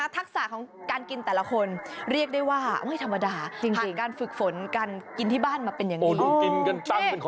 ทักษะของการกินแต่ละคนเรียกได้ว่าไม่ธรรมดาจริงการฝึกฝนการกินที่บ้านมาเป็นอย่างนี้